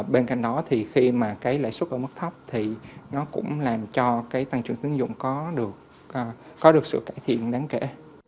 bên cạnh đó thì khi mà cái lãi suất ở mức thấp thì nó cũng làm cho cái tăng trưởng tín dụng có được sự cải thiện đáng kể